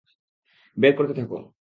বের করতে থাকো।